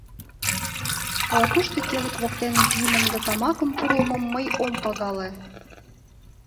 — Ала-кушто кевыт воктене йӱмым да тамакым пурлмым мый ом пагале.